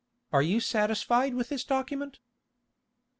Are you satisfied with this document?"